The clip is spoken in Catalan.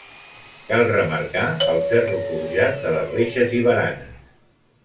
Cal remarcar el ferro forjat de les reixes i baranes.